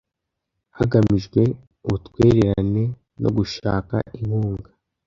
hagamijwe ubutwererane no gushaka inkunga